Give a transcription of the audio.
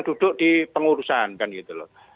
duduk di pengurusan kan gitu loh